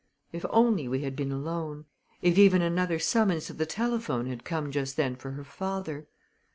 If only we had been alone if even another summons to the telephone had come just then for her father!